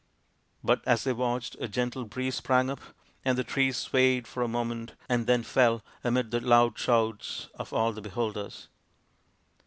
But as they watched, a gentle breeze sprang up, and the trees swayed for a moment and then fell, amid the loud shouts of all the beholders.